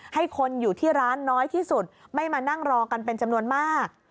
ให้คนอยู่ที่ร้านน้อยที่สุดไม่มานั่งรอกันเป็นจำนวนมาก